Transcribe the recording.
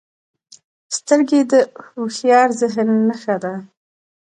سترګې د هوښیار ذهن نښه ده